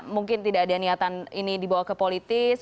mungkin tidak ada niatan ini dibawa ke politis